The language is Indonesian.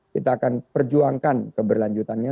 kita akan perjuangkan keberlanjutannya